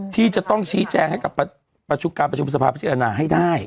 ที่จะต้องชี้แจงให้กับประชุมการประชุมสภาพิจารณาให้ได้